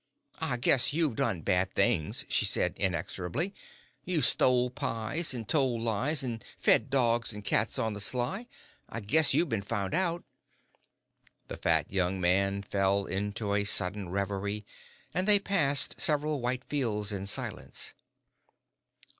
"I guess you've done bad things," she said, inexorably. "You've stole pies, an' tole lies, an' fed dogs an' cats on the sly. I guess you've been found out." The fat young man fell into a sudden reverie, and they passed several white fields in silence.